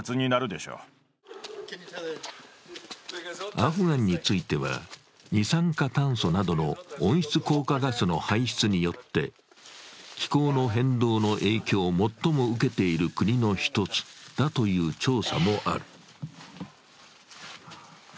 アフガンについては、二酸化炭素などの温室効果ガスの排出によって気候の変動の影響を最も受けている国の一つだという調査もある。